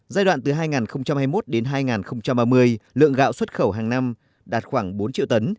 giai đoạn từ hai nghìn hai mươi một đến hai nghìn ba mươi lượng gạo xuất khẩu hàng năm đạt khoảng bốn triệu tấn